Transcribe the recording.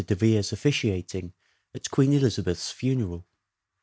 De Vere's officiating at Queen Elizabeth's funeral.